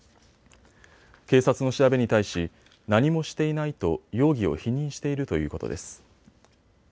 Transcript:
警察の調べに対し何もしていないと容疑を否認しているということです。